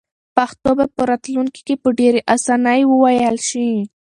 پښتو به په راتلونکي کې په ډېرې اسانۍ وویل شي.